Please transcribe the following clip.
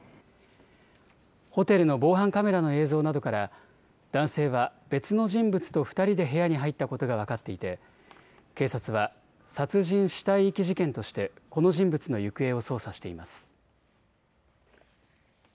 ホテルの防犯カメラの映像などから男性は別の人物と２人で部屋に入ったことが分かっていて警察は殺人・死体遺棄事件としてこの人物の行方を捜査しています。